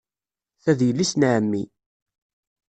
Ta d yelli-s n ɛemmi.